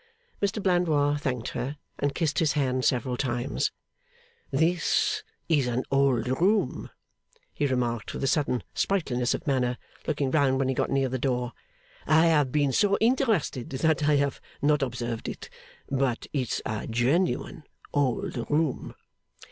Mr Blandois thanked her, and kissed his hand several times. 'This is an old room,' he remarked, with a sudden sprightliness of manner, looking round when he got near the door, 'I have been so interested that I have not observed it. But it's a genuine old room.